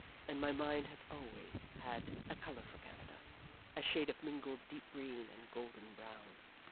And my mind has always had a color for Canada a shade of mingled deep green and golden brown.